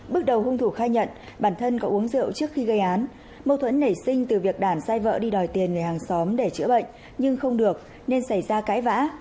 bước đầu hung thủ khai nhận bản thân có uống rượu trước khi gây án mâu thuẫn nảy sinh từ việc đản giai vợ đi đòi tiền người hàng xóm để chữa bệnh nhưng không được nên xảy ra cãi vã